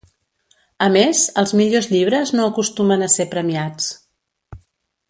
A més, els millors llibres no acostumen a ser premiats.